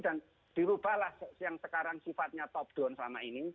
dan dirubahlah yang sekarang sifatnya top down selama ini